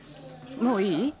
もういい？